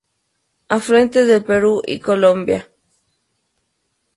Afluentes del Perú y Colombia.